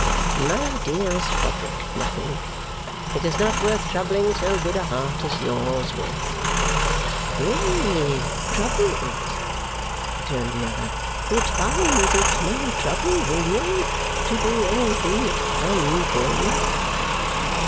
'My dearest Frederick, nothing. It is not worth troubling so good a heart as yours with.' 'Pray trouble it,' returned the other. 'It finds it no trouble, William, to do anything it can for you.